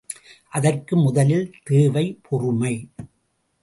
அதற்கு முதலில் தேவை பொறுமை.